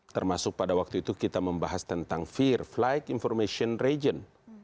termasuk pada waktu itu kita membahas tentang fear flight information region